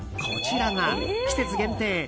こちらが季節限定